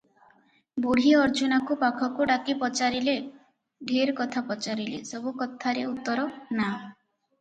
ବୁଢୀ ଅର୍ଜୁନାକୁ ପାଖକୁ ଡାକି ପଚାରିଲେ - ଢେର କଥା ପଚାରିଲେ, ସବୁ କଥାରେ ଉତ୍ତର - "ନା" ।